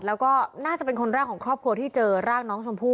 แล้วก็น่าจะเป็นคนแรกของครอบครัวที่เจอร่างน้องชมพู่